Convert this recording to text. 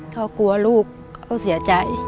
เขากลัวลูกเขาเสียใจ